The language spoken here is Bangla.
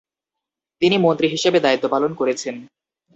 তিনি মন্ত্রী হিসেবে দায়িত্বপালন করেছেন।